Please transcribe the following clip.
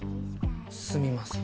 すみません。